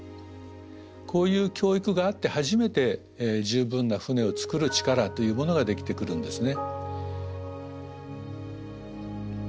こういう教育があって初めて十分な船を造る力というものができてくるんですね。